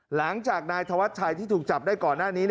หลังจากนายธวัชชัยที่ถูกจับได้ก่อนหน้านี้